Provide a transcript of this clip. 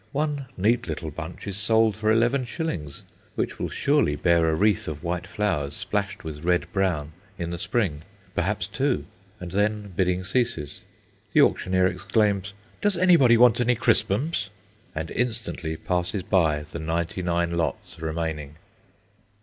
One neat little bunch is sold for 11s., which will surely bear a wreath of white flowers, splashed with red brown, in the spring perhaps two. And then bidding ceases. The auctioneer exclaims, "Does anybody want any crispums?" and instantly passes by the ninety nine lots remaining.